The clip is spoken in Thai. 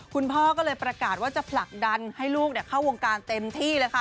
คุณพ่อก็เลยประกาศว่าจะผลักดันให้ลูกเข้าวงการเต็มที่เลยค่ะ